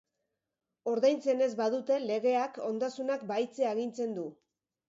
Ordaintzen ez badute, legeak ondasunak bahitzea agintzen du.